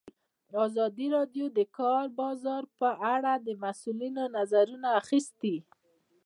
ازادي راډیو د د کار بازار په اړه د مسؤلینو نظرونه اخیستي.